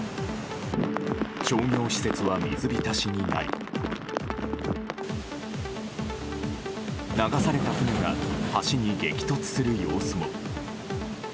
商業施設は水浸しになり流された船が橋に激突する様子も。